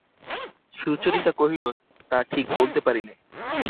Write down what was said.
সুচরিতা কহিল, তা ঠিক বলতে পারি নে।